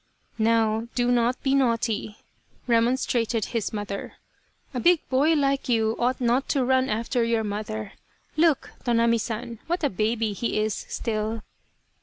" Now, do not be naughty !" remonstrated his 197 Loyal, Even Unto Death mother, " a big boy like you ought not to run after your mother. Look, Tonami San, what a baby he is still